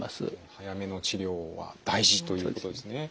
早めの治療は大事ということですね。